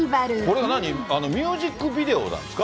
これはなに、ミュージックビデオなんですか？